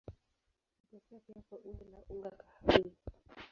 Hutokea pia kwa umbo la unga kahawia.